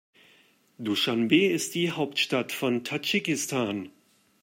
Duschanbe ist die Hauptstadt von Tadschikistan.